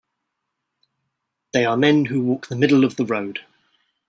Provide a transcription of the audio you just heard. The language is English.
They are men who walk the middle of the road.